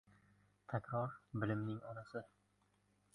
Takror – bilimning onasi.